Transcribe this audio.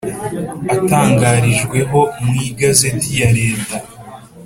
Atangarijweho mu igazetti ya leta